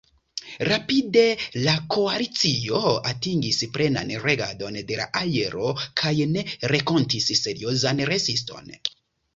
Rapide la koalicio atingis plenan regadon de la aero kaj ne renkontis seriozan reziston.